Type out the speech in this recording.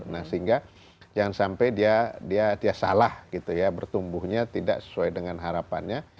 nah sehingga jangan sampai dia salah gitu ya bertumbuhnya tidak sesuai dengan harapannya